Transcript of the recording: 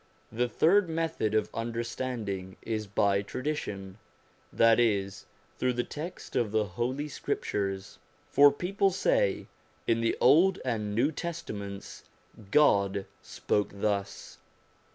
The third method of understanding is by tradition, that is, through the text of the Holy Scriptures ; for people say : in the Old and New Testaments, God spoke thus.